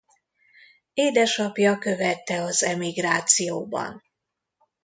Édesapja követte az emigrációban.